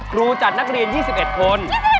ครูจัดนักเรียน๒๑คน